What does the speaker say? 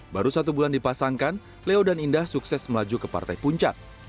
baru satu bulan dipasangkan leo dan indah sukses melaju ke partai puncak